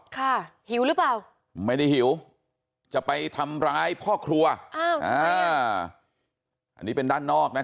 หิวหรือเปล่าไม่ได้หิวจะไปทำร้ายพ่อครัวอ้าวอ่าอันนี้เป็นด้านนอกนะคะ